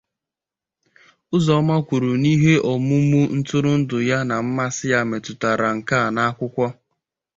Uzoma kwuru n'ihe omumu ntụrụndụ ya na mmasị ya metụtara nkà na akwụkwọ.